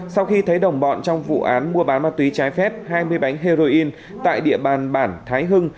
sau khi thấy đồng bọn trong vụ án mua bán ma túy trái phép hai mươi bánh heroin tại địa bàn bản thái hưng